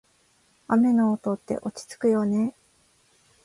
雨の音って落ち着くよね。